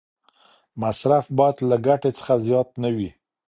مصرف باید له ګټې څخه زیات نه وي.